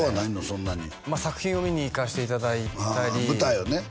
そんなに作品を見に行かせていただいたりあ舞台をね